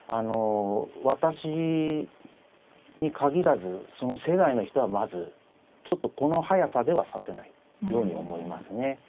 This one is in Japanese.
私に限らずその世代の人はまずちょっとこの速さでは指せないように思いますね。